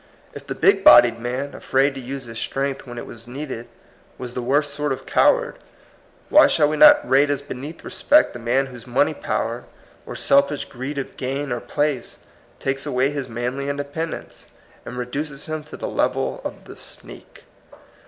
If the big bodied man, afraid to use his strength when it was needed, was the worst sort of coward, why shall we not rate as beneath respect the man whose money power or self ish greed of gain or place takes away his manly independence, and reduces him to the level of the sneak?